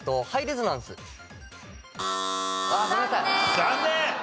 残念！